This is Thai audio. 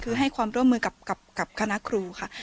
คือให้ความร่วมมือกับคณะครูค่ะ